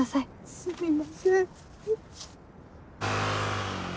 すみません。